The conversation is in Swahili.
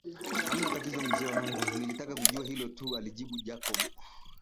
Hamna tatizo mzee wangu nilitaka kujua hilo tu alijibu Jacob